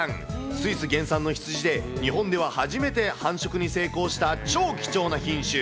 スイス原産のヒツジで、日本では初めて繁殖に成功した、超貴重な品種。